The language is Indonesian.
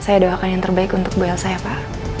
saya doakan yang terbaik untuk bu elsa ya pak